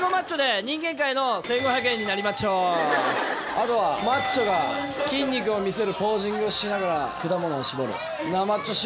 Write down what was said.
ここでマッチョが筋肉を見せるポージングをしながら果物を搾る。